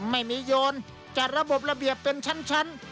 ไม่มีโยนจัดระบบระเบียบเป็นชั้น